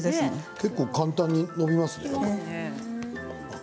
結構、簡単に伸びます。